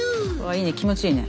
いいね気持ちいいね。